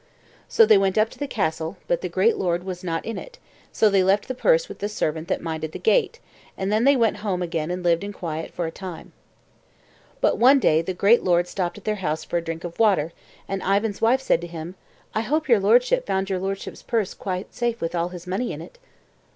So they went up to the castle, but the great lord was not in it, so they left the purse with the servant that minded the gate, and then they went home again and lived in quiet for a time. But one day the great lord stopped at their house for a drink of water, and Ivan's wife said to him: "I hope your lordship found your lordship's purse quite safe with all its money in it."